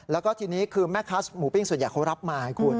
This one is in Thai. แล้วก็ทีนี้คือแม่ค้าหมูปิ้งส่วนใหญ่เขารับมาให้คุณ